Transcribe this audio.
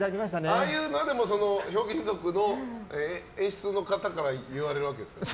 ああいうのは「ひょうきん族」の演出の方から言われるわけですか？